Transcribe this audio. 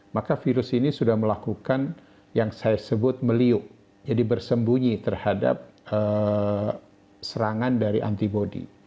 maka virus ini sudah melakukan yang saya sebut meliuk jadi bersembunyi terhadap serangan dari antibody